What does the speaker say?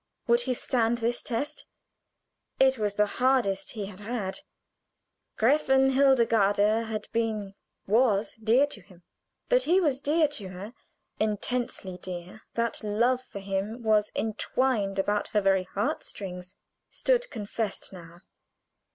Would he stand this test? It was the hardest he had had. Gräfin Hildegarde had been was dear to him. That he was dear to her, intensely dear, that love for him was intwined about her very heart strings, stood confessed now.